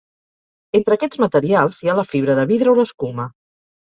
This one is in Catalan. Entre aquests materials hi ha la fibra de vidre o l'escuma.